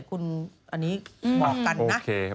อันนี้เหมาะกันนะ